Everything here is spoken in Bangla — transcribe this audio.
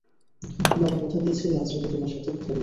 বাবা কথা দিয়েছিল আজ রাতে তোমার সাথে কথা বলবে।